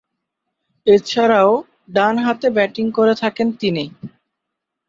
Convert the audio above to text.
এছাড়াও ডানহাতে ব্যাটিং করে থাকেন তিনি।